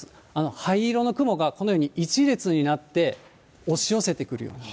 灰色の雲がこのように一列になって、押し寄せてくるような。